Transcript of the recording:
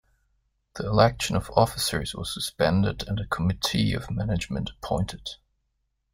The election of Officers was suspended and a Committee of Management appointed.